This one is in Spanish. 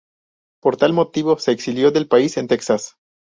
Por tal motivo se exilió del país en Texas.